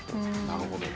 なるほど。